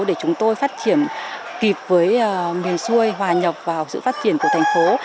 để chúng tôi phát triển kịp với miền xuôi hòa nhập vào sự phát triển của thành phố